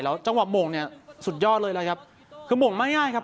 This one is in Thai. จังหวะโบ่งเนี่ยสุดยอดเลยนะครับคือโบ่งไม่ง่ายครับ